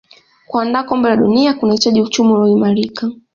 kuandaa kombe la dunia kunahitaji uchumi uliyoimarika